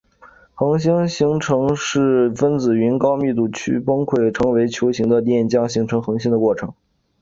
恒星形成是分子云的高密度区崩溃成为球形的电浆形成恒星的过程。